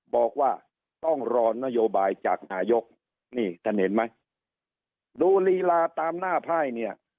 บอกว่าต้องรอนโยบายจากนายกนี่ท่านเห็นไหมดูลีลาตามหน้าไพ่เนี่ย